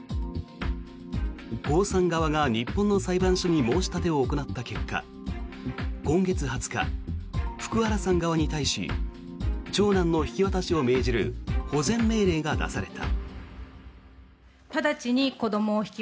コウさん側が日本の裁判所に申し立てを行った結果今月２０日、福原さん側に対し長男の引き渡しを命じる保全命令が出された。